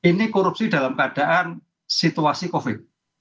ini korupsi dalam keadaan situasi covid